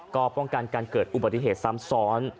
ก็ป้องกันการเกิดอุบัติเหตุซ้ำซ้อน